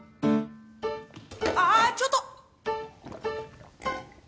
ああちょっと！